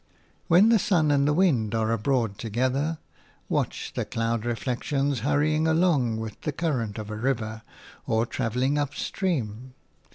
When the sun and the wind are abroad together, watch the cloud reflections hurrying along with the current of a river, or travelling up stream.